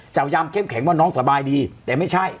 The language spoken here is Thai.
พยายามเข้มแข็งว่าน้องสบายดีแต่ไม่ใช่